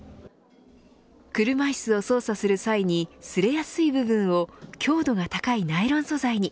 車いすを操作する際にすれやすい部分を強度が高いナイロン素材に。